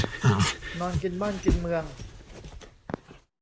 นอนกินบ้านกินเมือง